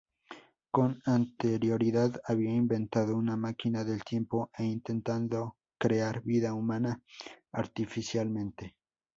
Con anterioridad había inventado una máquina del tiempo e intentado crear vida humana artificialmente.